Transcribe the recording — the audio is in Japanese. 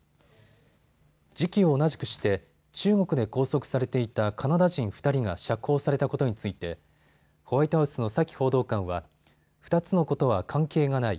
時期を同じくして中国で拘束されていたカナダ人２人が釈放されたことについてホワイトハウスのサキ報道官は２つのことは関係がない。